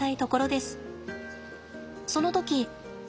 その時。